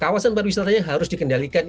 kawasan pariwisatanya harus dikendalikan